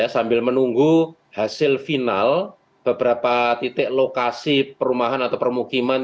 sambil menunggu hasil final beberapa titik lokasi perumahan atau permukiman